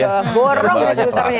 ya beli es putarnya